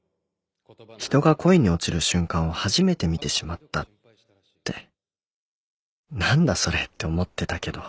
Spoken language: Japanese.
人が恋に落ちる瞬間を初めて見てしまったって何だそれって思ってたけど